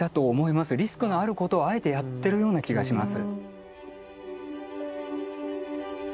リスクのあることをあえてやってるような気がします。